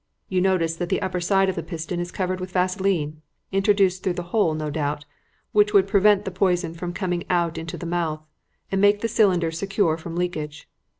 You notice that the upper side of the piston is covered with vaseline introduced through the hole, no doubt which would prevent the poison from coming out into the mouth, and make the cylinder secure from leakage.